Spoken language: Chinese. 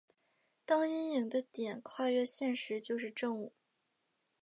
当阴影的点跨越线时就是正午。